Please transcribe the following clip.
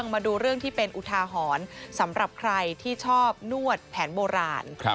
มาดูเรื่องที่เป็นอุทาหรณ์สำหรับใครที่ชอบนวดแผนโบราณ